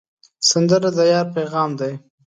سندره د یار پیغام دی